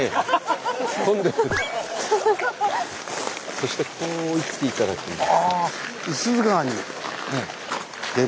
そしてこう行って頂きます。